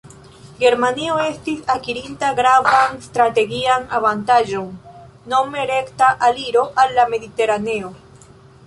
Germanio estis akirinta gravan strategian avantaĝon: nome rekta aliro al la Mediteraneo.